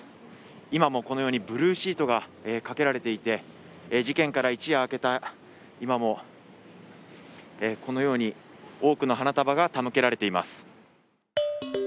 今もこのようにブルーシートがかけられていて、事件から一夜明けた今もこのように多くの花束が手向けられています。